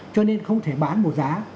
cho nên không thể bán một giá